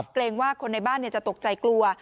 เกรงว่าคนในบ้านจะตกใจกลัว